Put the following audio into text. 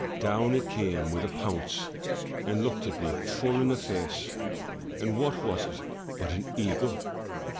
Down it came with a pounce, and looked at me full in the face; and what was it but an eagle?